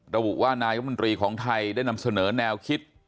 ระบุว่านายมนตรีของไทยได้นำเสนอแนวคิด